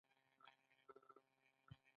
هغوی د سپین خوبونو د لیدلو لپاره ناست هم وو.